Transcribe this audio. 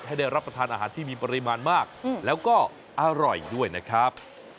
ได้รับประทานอาหารที่มีปริมาณมากแล้วก็อร่อยด้วยนะครับ